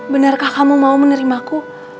benarkah kamu mau menerimaku